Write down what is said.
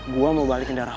gue mau balikin darah lo